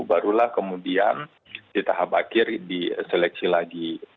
barulah kemudian di tahap akhir diseleksi lagi